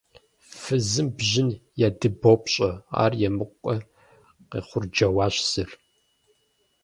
– Фызым бжьын ядыбопщӀэ, ар емыкӀукъэ? – къехъурджэуащ зыр.